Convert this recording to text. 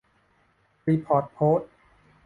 รีพอร์ตโพสต์